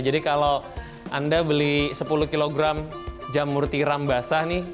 jadi kalau anda beli sepuluh kg jamur tiram basah nih